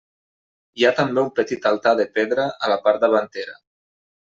Hi ha també un petit altar de pedra a la part davantera.